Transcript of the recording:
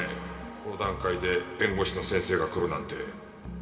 この段階で弁護士の先生が来るなんて。